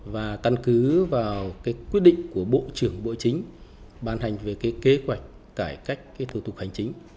và căn cứ vào quyết định của bộ trưởng bộ chính ban hành về kế hoạch cải cách thủ tục hành chính